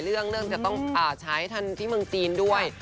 เรื่องเริ่มจะต้องใช้ทันที่เมืองจีนด้วย